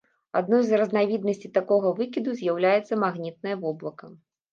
Адной з разнавіднасцей такога выкіду з'яўляецца магнітнае воблака.